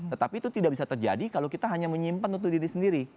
tetapi itu tidak bisa terjadi kalau kita hanya menyimpan untuk diri sendiri